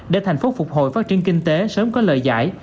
để thành phố phục hồi phát triển kinh tế sớm có lời giải